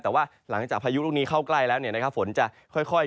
แต่ว่าหลังจากพายุลูกนี้เข้าใกล้แล้วฝนจะค่อย